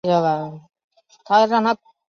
现任董事局主席兼董事总经理为郭炳联。